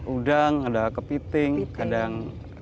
udang ada kepiting kadang